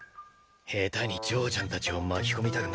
下手に嬢ちゃんたちを巻き込みたくねえだろ。